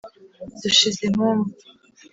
dushize impumu